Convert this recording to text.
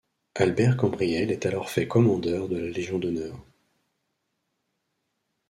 Albert Cambriels est alors fait commandeur de la Légion d'honneur.